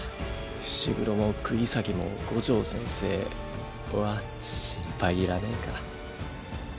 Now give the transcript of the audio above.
伏黒も釘崎も五条先生は心配いらねぇか。